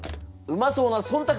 うまそうな「忖度」